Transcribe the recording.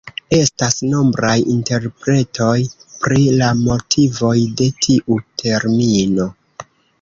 Estas nombraj interpretoj pri la motivoj de tiu termino.